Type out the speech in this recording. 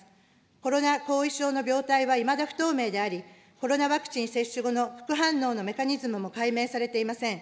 コロナ後遺症の病態はいまだ不透明であり、コロナワクチン接種後の副反応のメカニズムも解明されていません。